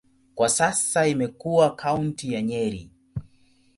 Kwa sasa imekuwa kaunti ya Nyeri.